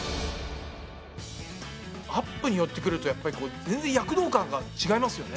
アップに寄ってくるとやっぱり全然躍動感が違いますよね。